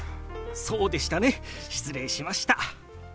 そうでしたね失礼しました。